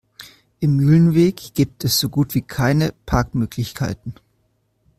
Im Mühlenweg gibt es so gut wie keine Parkmöglichkeiten.